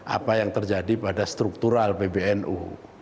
apa yang terjadi pada struktural pbnu